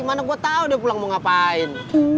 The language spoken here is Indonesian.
mana gue tau dia pulang mau ngapain